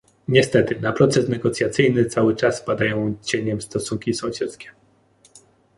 Niestety, na proces negocjacyjny cały czas padają cieniem stosunki sąsiedzkie